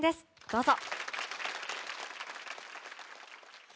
どうぞ。